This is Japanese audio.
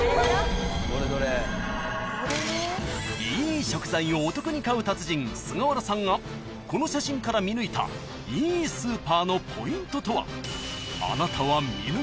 ［いい食材をお得に買う達人菅原さんがこの写真から見抜いたいいスーパーのポイントとは］